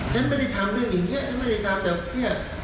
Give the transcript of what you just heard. ฉันไม่ได้ทำเรื่องอย่างนี้ฉันไม่ได้ทำแต่เนี่ย